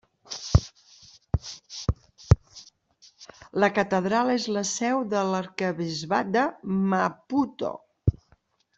La catedral és la seu de l'arquebisbat de Maputo.